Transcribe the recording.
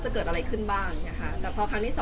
จะเกิดอะไรขึ้นบ้างอย่างเงี้ค่ะแต่พอครั้งที่สอง